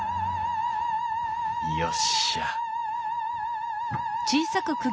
よっしゃあ